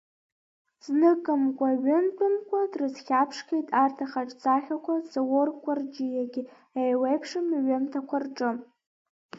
Зныкымкәа, ҩынтәымкәа, дрызхьаԥшхьеит арҭ ахаҿсахьақәа Заур Кәарҷиагьы еиуеиԥшым иҩымҭақәа рҿы.